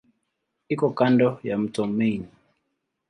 Iko kando ya mto Main.